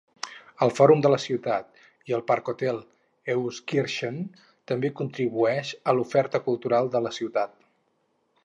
El Fòrum de la ciutat i el Parkhotel Euskirchen també contribueix a l'oferta cultural de la ciutat.